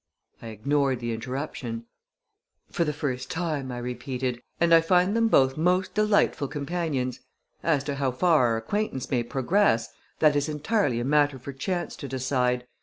I ignored the interruption. "For the first time," I repeated; "and I find them both most delightful companions. As to how far our acquaintance may progress, that is entirely a matter for chance to decide.